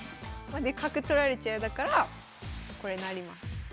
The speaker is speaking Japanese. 角取られちゃやだからこれ成ります。